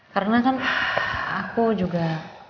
karena kan aku juga